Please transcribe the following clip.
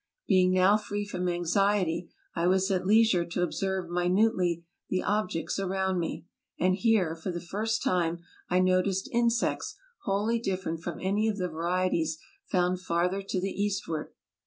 Being now free from anxiety I was at leisure to observe minutely the objects around me; and here, for the first time, I noticed insects wholly different from any of the varieties found farther to the eastward.